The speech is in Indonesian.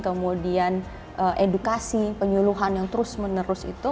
kemudian edukasi penyuluhan yang terus menerus itu